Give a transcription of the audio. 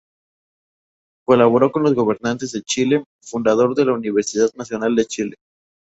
Colaboró con los gobernantes de Chile, fundador de la Universidad Nacional de Chile.